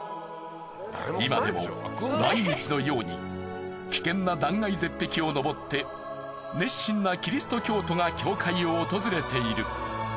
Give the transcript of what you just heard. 今でも毎日のように危険な断崖絶壁を登って熱心なキリスト教徒が教会を訪れている。